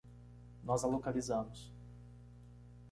Nós a localizamos.